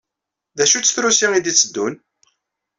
D acu-tt trusi ay d-itteddun?